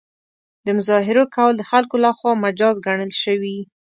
د مظاهرو کول د خلکو له خوا مجاز ګڼل شوي.